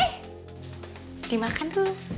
eh dimakan dulu